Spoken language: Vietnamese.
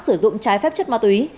sử dụng trái phép chất ma túy